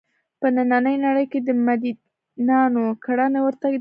په نننۍ نړۍ کې د متدینانو کړنې ورته دي.